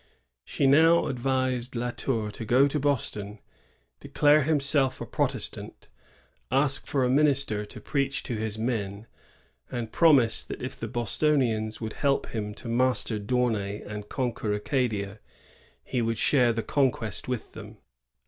She now advised La Tour to go to Boston, declare himself a Protestant, ask for a min* later to preach to his men, and promise that if the Bostonians would help him to master D' Aunay and conquer Acadia, he would share the conquest with them.